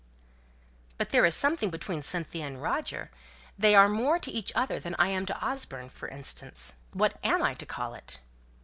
"But there is something between Cynthia and Roger; they are more to each other than I am to Osborne, for instance. What am I to call it?"